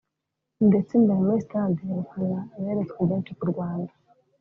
ndetse imbere muri stade abafana beretswe byinshi ku Rwanda